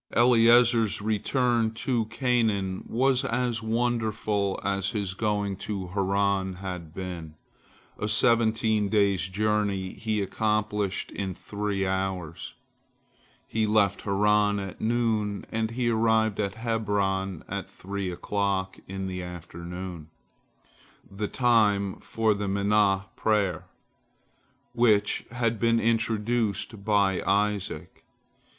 Eliezer's return to Canaan was as wonderful as his going to Haran had been. A seventeen days' journey he accomplished in three hours. He left Haran at noon, and he arrived at Hebron at three o'clock in the afternoon, the time for the Minhah Prayer, which had been introduced by Isaac.